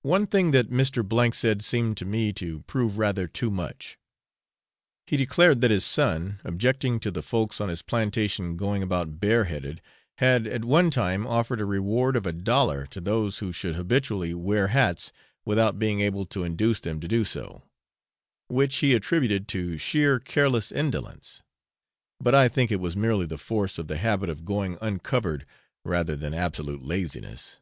One thing that Mr. said seemed to me to prove rather too much. He declared that his son, objecting to the folks on his plantation going about bare headed, had at one time offered a reward of a dollar to those who should habitually wear hats without being able to induce them to do so, which he attributed to sheer careless indolence; but I think it was merely the force of the habit of going uncovered rather than absolute laziness.